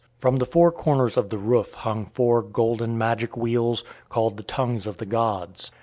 From the four corners of the roof hung four golden magic wheels, called the tongues of the gods.